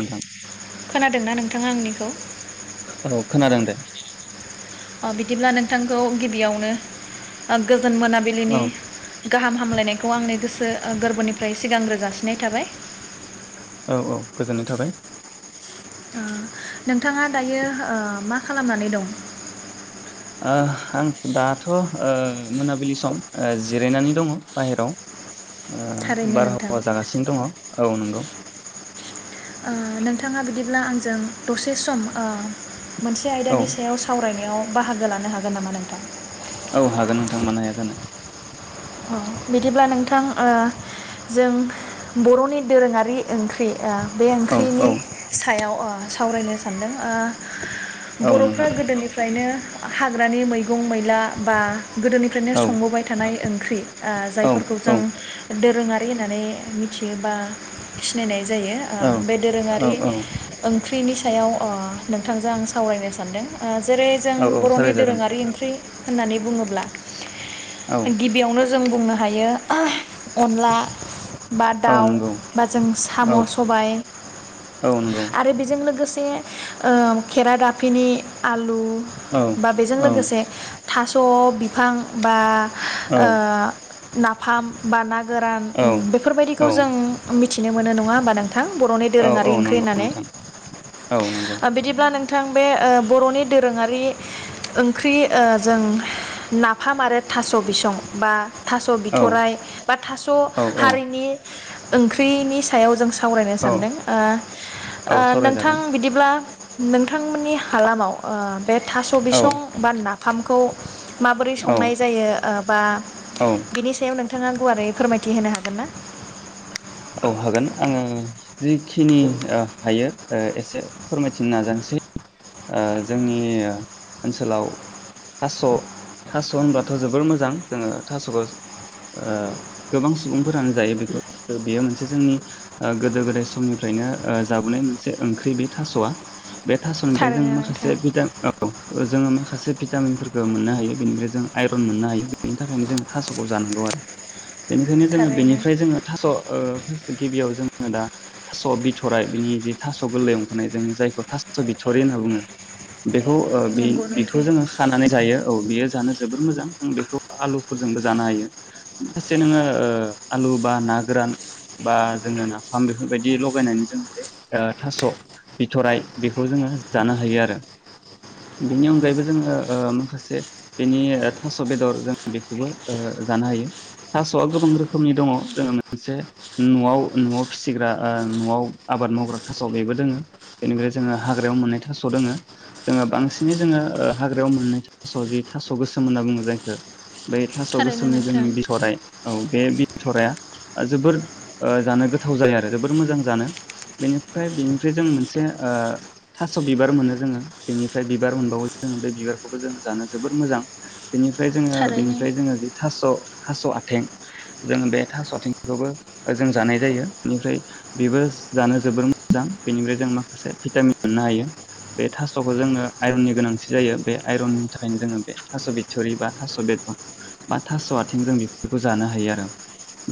नोंथां खोनादोंना नों थाङा आंनिखौ? औ खोनादों दे अ बिदिब्ला नोंथांखौ गिबियावनो ओ गो जोन मोनाबिलिनि औ गाहामा हामलायनायखौ आंनि ओ गोसो गोरबोनिफ्राय सिगांग्रो जासिनाय थाबाय। औ औ गोजोननाय थाबाय। ओ नोंथाङा दायो ओ मा खालामनानै दं? ओ आं दाथ' ओ मोनाबिलि सम ओ जिरायनानै दङ बाहेराव। ओ थारैनो नोंथां बारहावा जागासिनो दङ औ नंगौ ओ नोंथाङा बिदिब्ला आंजों दसे सम ओ मोनसे औ आयदानि सायाव सावरायनायाव बाहागो लानो हागोन नामा नोंथां जोनो ओ बिदिब्ला नोंथां ओ जों बरनि दोरोङारि ओंख्रि ओ बे औ औ ओंख्रिनि सायाव अ सावरायनो सानदों ओ‌ औ नोंथां बर'फ्रा गोदोनिफ्रायनो हाग्रानि मैगं मैला बा गोदोनिफ्रायनो औ संबोबाय थानाय ओं ओ औ जायफोरखौ औ जों दोरोङारि होननानै मिथियो बा सिनायनाय जायो ओ‌ बे औ दोरोङारि औ ओंख्रिनि सायाव ओ नोंथांजों आं सावरायनो सानदों ओ जेरै जों औ औ बरनि सावरायजागोन दोरोङारि ओंख्रि होननानै बुङोब्ला औ गिबियावनो जों बुंनो हायो अनला बा औ दाउ नंगौ बा जों साम औ सबाय औ नंगौ आरो बेजों लोगोसे से ओ खेराइ दाफिनि आलु औ बा बेजों औ लोगोसे थास बिफां बा ओ नाफाम बानाग गोरान औ उम बेफोरबायदिखौ औ जों मिथ मिथिनो मोनो नङा होमबा नों नोंथां बरनि औ दोरोङारि औ ओंख्रि नंगौ होननानै नोंथां औ नंगौ ओ बिदिब्ला नों बिथां बे ओ बरनि दोरोङारि ओंख्रि ओ जों नाफाम आरो थास बिसं बा थास औ बिथराय बा थास औ हारिनि ओंख्रिनि सायाव जों सा सावरायनो औ सानदों ओ औ ओ सावरायजागोन नोंथां बिदिब्ला नोंथांमोननि हालामाव ओ बे थास' औ बिसं बानना फामखौ माबोरै संनाय औ जायो ओ बा औ बिनि सायाव नोंथाङा गुवारै फोरमायथि होनो हागोन ना औ हागोन आङो जिखिनि हायो एसे फोरमायथिनो नाजानोसै ओ जोंनि ओनसोलाव थास' थास' होनबाथ' जोबोर मोजां जोङो थास'खौ ओ गोबां सुबुंफोरानो जायो बेखौ बेयो मोनसे जोंनि गोदो गोदाय समनिफ्रायनो ओ जाबोनाय मोनसे ओंख्रि बे थास'आ बे थास' ओमफ्राय जों थारैनो नोंथां माखासे [unintelligible] [unintelligible] जों माखासे माखासे भिटामिनफोरखौ मोननो हायो बेनिफ्राय जों आइरन मोननो हायो बेनि थाखायनो जोङो थास'खौ जानांगौ आरो बेनिखायनो जोङो थारैनो बेनिफ्राय जोङो थास' ओ गिबियाव जोङो दा थास' बिथ'राइ बिनि जि थास' गोरलै अखारनाय जों जायखौ थास' बिथ थरि होनना बुंङो बेखौ ओ नंगौ बेखौ नोंथां जोङो खानानै जायो औ बेयो जानो जोबोर मोजां नों बेखौ आलु फोरजोंबो जानो हायो फासे नोङो आलु बा ना गोरान बा जोङो नाफाम बेफोरबायदि लगायनानै जों बे ओ थास' बिथ'राय बे बेखौ जोङो जानो हायो आरो बेनि अनगायैबो जोङो ओ माखासे बेनि थास' बेदर जों बेखौबो जानो हायो थास'आ गोबां रोखोमनि दङ जोङो मोनसे न'आव न'आव फिसिग्रा न'आव आबाद मावग्रा थास' बेबो दोङो बेनिफ्राय जोङो हाग्रायाव मोननाय थास' दोङो जोङो बांसिनै जोङो हाग्रायाव मोननाय थास' जि थास' गोसोम होनना बुङो जायखो बै थास' थारैनो गोसोमनि नोंथां जोंनि बिथ'राइ औ बे बिथ'राया जोबोर ओ जानो गोथाव जायो आरो जोबोर मोजां जानो बेनिफ्राय बेनिफ्राय जों मोनसे ओ थास' बिबार मोनो जोङो बेनिफ्राय बिबार मोनबावो जोङो बे बिबारखौबो जों जानो जोबोर मोजां बेनिफ्राय जोङो थारैनो बेनिफ्राय जोङो बे थास' थास' आथें जोङो बे थास' आथिंखौबो जों जानाय जायो बेनिफ्राय बेबो जानो जोबोर मोजां बेनिफ्राय जों मा खासे भिटामिन मोननो हायो बे थास'खौ जोङो आयरननि गोनांथि जायो बे आइरननि थाखायनो जोङो बे थास' बिथुरि बा थास' बेदा बा थास' आथिं जों बेफोरखौ जानो हायो आरो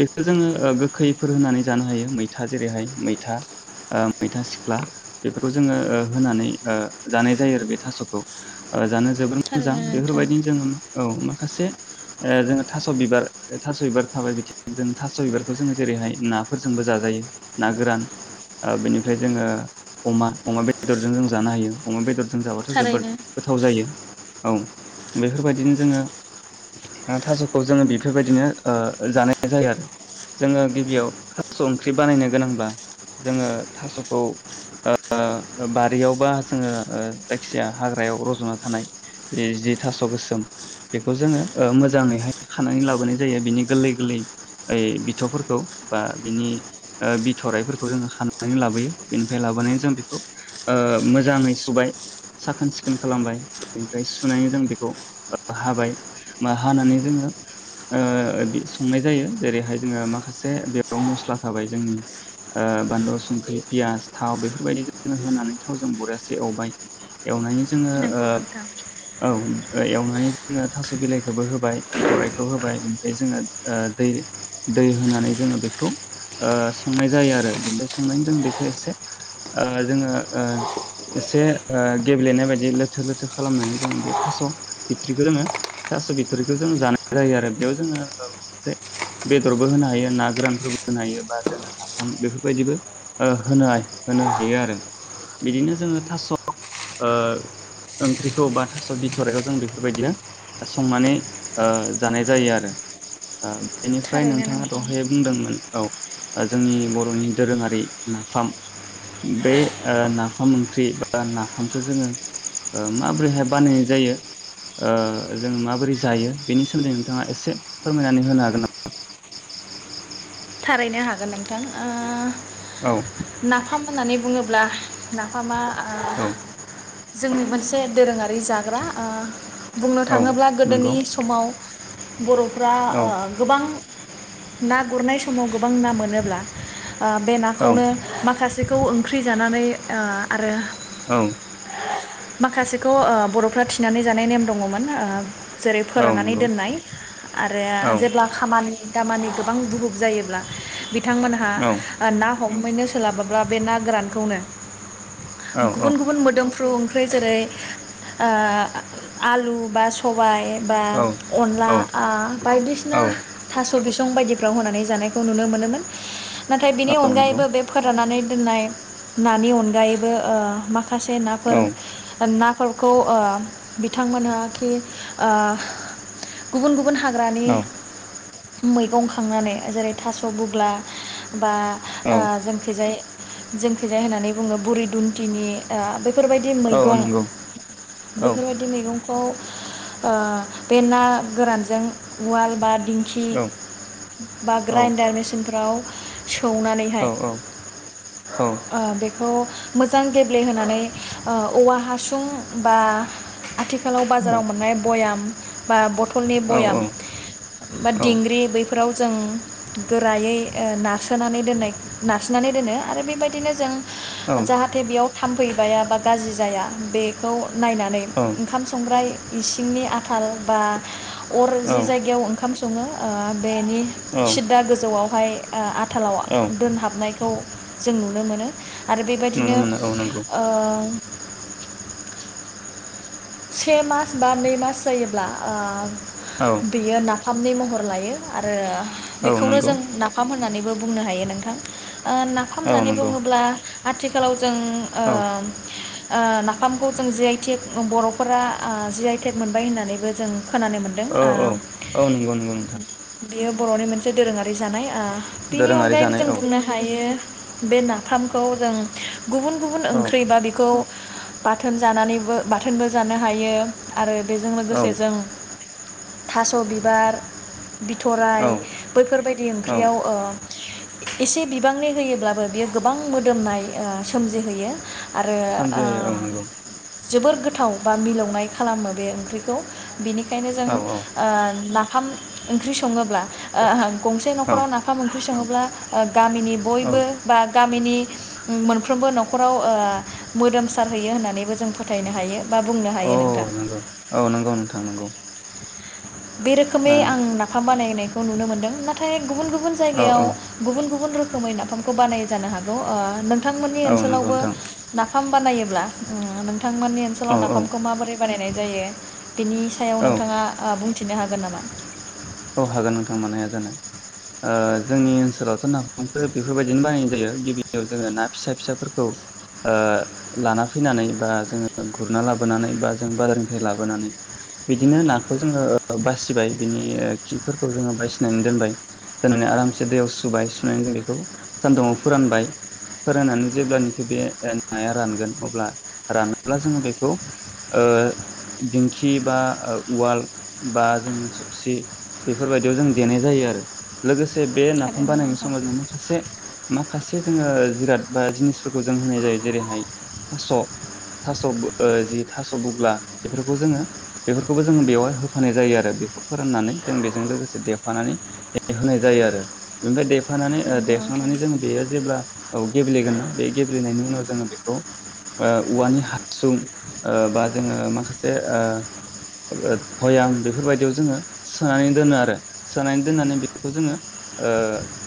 बेखौ जोङो गोखैफोर होनानै जानो हायो मैथा जेरैहाय मैथा ओ मैथा सिख्ला बेफोरखौ जोङो ओ होनानै ओ जानाय जायो आरो बे थास'खौ ओ जानो जोबोर मोजां थारैनो नोंथां बेफोरबायदिनो जोङो औ माखासे ओ जोङो थास' बिबार थास' बिबार थाबाय बिथिं जों थास' बिबारखौ जोङो जेरैहाय नाफोरजोंबो जाजायो ना गोरान ओ बिनिफ्राय जोङो अमा अमा बेदरजों जों जानो हायो अमा बेदरजों जों जाबाथ' जोबोद थारैनो गोथाव जायो औ बेफोरबायदिनो जोङो थास'खौ जोङो बेफोरबायदिनो ओ जानाय जायो आरो जोङो गिबियाव थास' ओंख्रि बानायनो गोनांब्ला जोङो थास'खौ ओ बारियाव बा जोङो जायखिजाया हाग्रायाव रज'ना थानाय जि थास' गोसोम बेखौ जोङो मोजाङैहाय खानानै लाबोनाय जायो बिनि गोरलै गोरलै ओय बिथौफोरखौ बा बिनि बिथ'राइफोरखौ जोङो खानानै लाबोयो बेनिफ्राय लाबो जों बेखौ मोजाङै ओ सुबाय साखोन सिखोन खालामबाय बेनिफ्राय सुनानै जों बेखौ हाबाय हानानै जोङो ओ संनाय जायो जेरैहाय जोङो माखासे बेयाव मस्ला थाबाय जोंनि ओ बानलु संख्रि पियास थाव बेफोरबायदि जों होनानै थाव जों बरियासे एवबाय एवनायनि नोंगौ नोंथां औ एवनानै जोङो थास' बिलाइखौबो होबाय बिथराइखौ होबाय ओमफ्राय ओ जोङो दै दै होनानै जोङो बेखौ संनाय जायो आरो बेनिफ्राय संनानै जों बेखौ एसे ओ जोङो ओ एसे गेब्लेनाय बायदि लोथो लोथो खालामनानै जोङो बे थास' बिथ्रिखौ जोङो थास' बिथ'रिखौ जोङो जानाय जायो आरो बेयाव जोङोसे बेदरबो होनो हायो ना गोरानफोरबो होनो हायो बा जोङो नाफाम बेफोरबायदिबो होनो हायो होनो हायो आरो बिदिनो जोङो थास' ओ ओंख्रिखौ बा थास' बिथ'राइखौ जों बेफोरबायदिनो संनानै ओ जानाय जायो आरो ओ बेनिफ्राय थारैनो नोंथाङा नोंथां दहाय बुंदोंमोन औ जोंनि बर'नि दोरोङारि नाफाम बे ओ नाफाम ओंख्रि बा ना बामखो जोङो माबोरैहाय बानायनाय जायो ओ जों माबोरै जायो बेनि सोमोन्दै नोंथाङा एसे फोरमायनानै होनो हागोन नामा थारैनो हागोन नोंथां औ नाफाम होननानै बुङोब्ला नाफामा ओ औ जोंनि मोनसे दोरोङारि मै जाग्रा ओ बुंनो औ थाङोब्ला नंगौ गोदोनि समाव बर'फ्रा औ ओ गोबां। ना गुरनाय। समाव गोबां ना मोनोब्ला ओ बे औ नाखौनो माखासे जेखौ ओंख्रि जानानै ओ आरो औ। माखासेखौ ओ बर'फ्रा थिनानै जानाय नेम दङमोन ओ जेरै औ फोराननानै नंगौ दोननाय आरो औ जेब्ला खामानि दामानि गोबां बुहु जायोब्ला। थांमोनहा औ ना हमहैनो सोलाबाब्ला। बे ना गोरानखौनो। औ गुबुन गुबुन मोदोम फ्रु ओंख्रि जेरै ओ आलु बा सबाय। बा अनला औ ओ औ बायदिसिना थास' स बिसं बायदिफ्राव होनानै। जानायखौ नुनो मोनोमोन। नाथाय बिनि औ नंगौ अनगायैबो बे फोराननानै। दोननाय नानि अनगायैबो ओ माखा [unintelligible] औ नाफोर [unintelligible] फोरखौ ओ बिथांमोनहा खि ओ गुबुन गुबुन हा ग्रानि औ मैगं खांनानै। जेरै थास' बुग्ला। बा औ ओ जोंखैजाय। जोंखैजाय होननानै बुङो बुरि दुन्थिनि ओ बेफोरबायदि औ मैगं नंगौ औ बैफोरबायदि मैगं। खौ ओ बे ना गोरानजों उवाल बा दिनखि औ औ बाग्रा इन्डारमेसिन। फ्राव सौनानैहाय औ ओ बे खौ मोजां गेब्लेहोनानै ओ औवा हासुं बा आथिखालाव बाजाराव मोननाय भयाम बा बथ थलनि बयाम बा दिंग्रि औ बैफो जों गोरायै ओ नारसोनानै दोननाय नारसोनानै दोनो आरो बेबायदिनो जों जाहाथे बेयाव थामफै बाया बा गाज्रि जाया। बेखौ नायनानै ओंखाम संग्राय इसिंनि आथाल बा अर जि जायगायाव ओंखाम स सङो ओ बेनि औ सिददा गोजौआव हाय ओ आथालाव औ दोनहाबनाय खौ जों नुनो मोनो। आरो नुनो बेबादिनो मोनो औ नंगौ ओ [inaudible] से मास बा नै मास जायोब्ला ओ औ बेयो ना फामनि महर लायो आरो औ बेखौनो नंगौ जों नाफाम हो होननानैबो बुंनो हायो नोंथां। ओ नाफाम औ होननानै नंगौ बुङोब्ला आथिखालाव जों ओ औ ओ नाफामखौ जों जिआइ थेग बर' नखरा ओ जि आइ टेग मोनबाय होननानैबो जों खोनानो मोनदों औ औ औ नंगौ नंगौ नोंथां। बियो बर'नि मोनसे दोरोङारि जानाय आ बेनि दोरोङारि अनगायैबो जानाय जों औ बुंनो हायो बे नाफामखौ जों गुबुन गुबुन औ ओंख्रै बा बेखौ बाथोन जानानैबो बाथोनबो जानो हायो। आरो बेजों औ लोगोसे जों थास' बिबार बिथ'राय औ बैफोरबायदि औ ओंख्रियाव ओ एसे बिबांनि होयोब्लाबो बियो गोबां मोदोमनाय ओ सोमजिहोयो आरो ओ सोमजिहोयो औ नंगौ जोबोर गोथाव बा मिलौनाय खालामो बे ओंख्रिखौ बिनिखायनो जों औ औ ओ ना फाम ओंख्रि सङोब्ला ओ गंसे औ न'खराव नाफाम ओंख्रि सङोब्ला ओ गामिनि बयबो बा गामिनि मोनफ्रोमबो न'खराव ओ मोदोमसारहैयो होननानैबो जों फो थायनो हायो। बा बुंनो औ हायो नोंथां नोंगौ औ नोंगौ नोंथां नोंगौ। बे रोखोमै आं नाफाम बानायहोनाय नुनो मोनदों नाथाय गुबुन गु बुन औ जायगायाव औ गुबुन गु बुन रोखोमै नाफामखौ बानायो जानो हागौ ओ नों थांमोननि औ नंगौ ओनसोलावबो नोंथां ना फाम बानायोब्ला उम नों थांमोननि औ ओनसोलाव औ नाफामखौ माबोरै बानायनाय जायो। बेनि सायाव औ नोंथाङा ओ बुं फिननो हागोन नामा? औ हागोन नोंथां मानो हाया जानो ओ जोंनि ओनसोलावथ' नाफामखो बेफोरबायदिनो बानायनाय जायो गिबियाव जोङो ना फिसा फिसाफोरखौ ओ लाना फैनानै बा जोङो गुरना लाबोनानै बा जों बाजारनिफ्राय लाबोनानै बिदिनो नाखौ जोङो ओ बासिबाय बिनि ओ खिफोरखौ जोङो बायसिनानै दोनबाय दोननानै आरामसे दैयाव सुबाय सुनानै जों बेखौ सानदुुङाव फोरानबाय फोराननानै जेब्लानोखि बे ओ नाया रानगोन अब्ला रानोब्ला जोङो बेखौ ओ दिंखि बा उवाल बा जोङो सबसि बेफोरबायदियाव जों देनाय जायो आरो लोगोसे बे नाफाम थारैनो बानायनाय नोंथां समाव जों माखासे माखासे जोङो जिराद बा जिनिसफोरखौ जों होनाय जायो जेरैहाय थास' थास' बो ओ जि थास' बुग्ला बेफोरखौ जोङो बेफोरखौबो जों बेवाय होफानाय जायो आरो बेखौ फोराननानै जों बेजों लोगोसे देफानानै ए होनाय जायो आरो ओमफ्राय देफानानै ओ नंगौ नोंथां देखांनानै जोङो बेयो जेब्ला औ गेब्लेगोन ना बे गेब्लेनायनि उनाव जोङो बेखौ ओ औवानि हासुं ओ बा जोङो माखासे ओ भयाम बेफोरबायदियाव जोङो सोनानै दोनो आरो सोनानै दोननानै बेफोरखौ जोङो ओ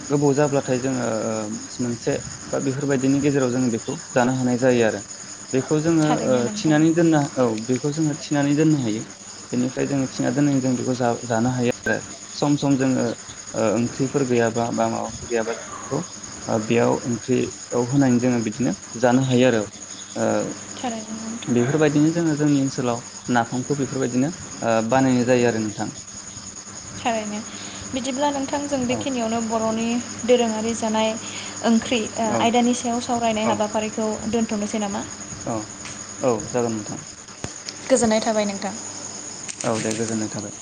गोबाव जाब्लाथाय जोङो ओ मास मोनसे बा बेफोरबायदिनि गेजेराव जोङो बेखौ जानो हानाय जायो आरो। बेखौ जोङो ओ थारैनो नोंथां थिनानै दोनना औ। बेखौ जोङो थिनानै दोननो हायो बेनिफ्राय जोङो थिनानै दोननानै जों बेखौ जा। जानो हायो आरो सम सम जोङो ओ ओंख्रिफोर गैयाबा बा माबाफोर गैयाबा जों बेखौ बेयाव ओंख्रियाव होनानै जोङो बिदिनो जानो हायो आरो ओ थारैनो नोंथां बेफोरबायदिनो जोङो जोंनि ओनसोलाव नाफामखौ बेफोरबायदिनो ओ बानायनाय जायो आरो नोंथां। थारैनो बिदिब्ला नोंथांजों औ बेखिनियावनो बर'नि दोरोङारि जानाय। ओंख्रि औ आयदानि सायाव सावरायनाय औ हाबाफारिखौ दोन थनोसै नामा औ औ जागोन नोंथां गोजोननाय थाबाय नोंथां औ दे गोजोननाय थाबाय